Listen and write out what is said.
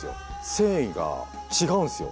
繊維が違うんですよ